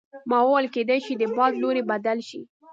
ما وویل کیدای شي د باد لوری بدل شي.